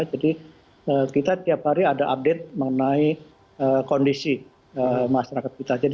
jadi kita tiap hari ada update mengenai kondisi masyarakat kita